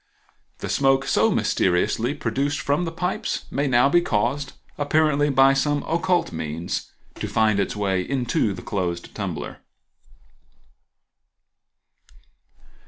The smoke so mysteriously produced from the pipes may now be caused, apparently by some occult means, to find its way into the closed tumbler.